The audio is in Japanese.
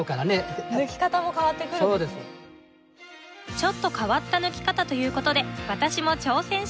ちょっと変わった抜き方という事で私も挑戦します